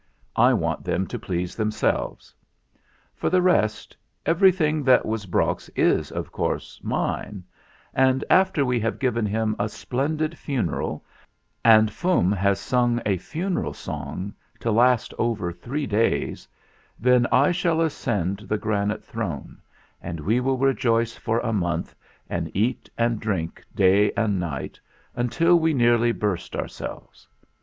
I want them to please themselves. For the rest, everything that was Brok's is, of course, mine; and after we have given him a splendid funeral and Fum has sung a funeral song to last over three days, then I shall ascend the granite throne and we will rejoice for a month, and eat and drink day and night until we nearly burst ourselves.